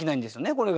これが。